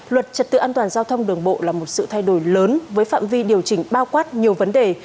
luật trật tự an toàn giao thông đường bộ là một sự thay đổi lớn với phạm vi điều chỉnh bao quát nhiều vấn đề